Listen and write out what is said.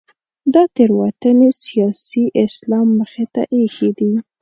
دا تېروتنې سیاسي اسلام مخې ته اېښې دي.